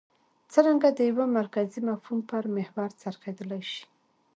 څرنګه د یوه مرکزي مفهوم پر محور څرخېدای شي.